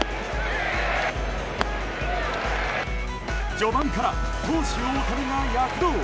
序盤から投手・大谷が躍動！